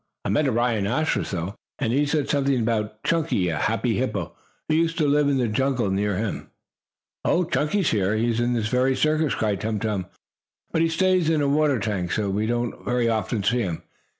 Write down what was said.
I met a rhinoceros, though, and he said something about Chunky, a happy hippo, who used to live in the jungle near him." "Oh, Chunky is here, in this very circus!" cried Tum Tum. "But he stays in a water tank, so we don't very often see him.